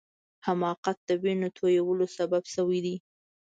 حماقت د وینو تویولو سبب سوی دی.